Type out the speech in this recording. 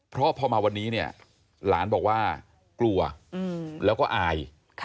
เพราะพอมาวันนี้เนี่ยหลานบอกว่ากลัวแล้วก็อาย